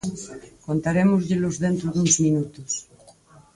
Contarémosllelos dentro duns minutos.